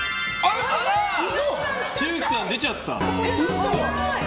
紫吹さん、出ちゃった。